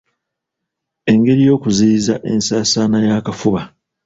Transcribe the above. Engeri y’okuziyiza ensaasaana y’akafuba